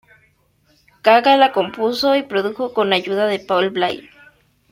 Gaga la compuso y produjo con ayuda de Paul Blair.